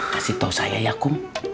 kasih tau saya ya kum